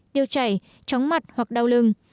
tiêu chảy tróng mặt hoặc đau lưng